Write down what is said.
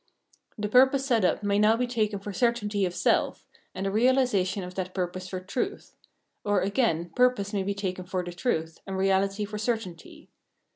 The purpose set up may now be taken for certainty of self, and the reahsation of that purpose for truth ; or, again, pur pose may be taken for the truth, and reahty for cer tainty.